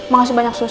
mau kasih banyak sus